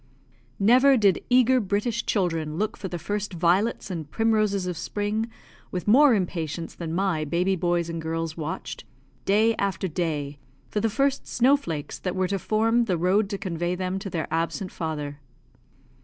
_ Never did eager British children look for the first violets and primroses of spring with more impatience than my baby boys and girls watched, day after day, for the first snow flakes that were to form the road to convey them to their absent father.